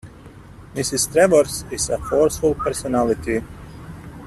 Mrs. Travers is a forceful personality.